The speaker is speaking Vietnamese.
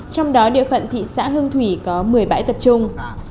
trong đó địa phận thị xã hương thủy có một mươi bãi tập trung